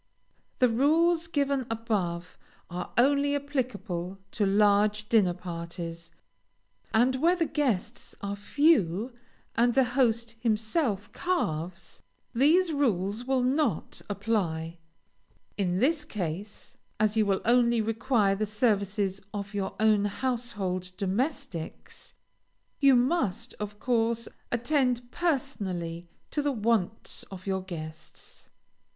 The rules given above are only applicable to large dinner parties, and where the guests are few, and the host himself carves, these rules will not apply. In this case, as you will only require the services of your own household domestics, you must, of course, attend personally to the wants of your guests.